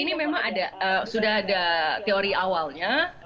ini memang sudah ada teori awalnya